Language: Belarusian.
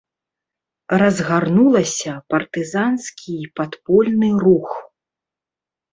Разгарнулася партызанскі і падпольны рух.